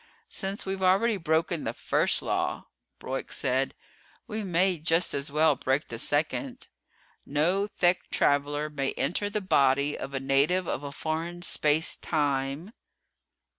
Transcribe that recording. "Since we've already broken the First Law," Broyk said, "we may just as well break the Second: 'No Thek traveler may enter the body of a native of a foreign space time